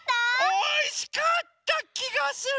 おいしかったきがする。